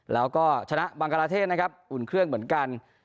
แล้วก็ชนะบังกลาเทศนะครับอุ่นเครื่องเหมือนกัน